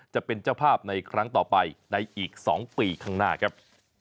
จะเป็นเจ้าภาพในครั้งต่อไปในอีก๒ปีข้างหน้าครับ